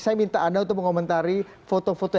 saya minta anda untuk mengomentari foto foto